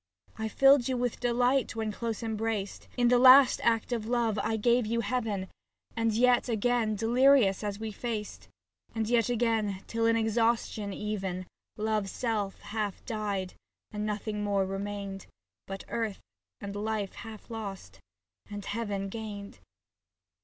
I filled you with delight, when close embraced ; In the last act of love I gave you heaven, 62 SAPPHO TO PHAON And yet again, delirious as we faced, And yet again, till in exhaustion, even Love's self half died and nothing more remained, But earth and life half lost, and heaven gained.